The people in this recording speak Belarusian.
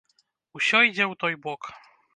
Усё ідзе ў той бок.